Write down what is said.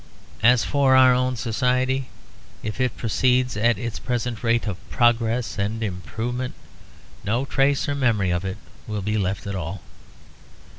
As for our own society, if it proceeds at its present rate of progress and improvement, no trace or memory of it will be left at all.